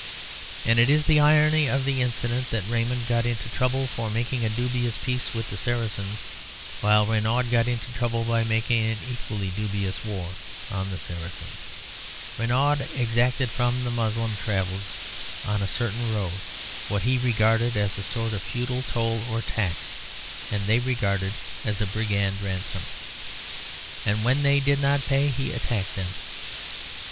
And it is the irony of the incident that Raymond got into trouble for making a dubious peace with the Saracens, while Renaud got into trouble by making an equally dubious war on the Saracens. Renaud exacted from Moslem travellers on a certain road what he regarded as a sort of feudal toll or tax, and they regarded as a brigand ransom; and when they did not pay he attacked them.